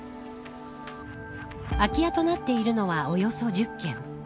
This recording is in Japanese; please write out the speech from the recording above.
空き家となっているのはおよそ１０軒。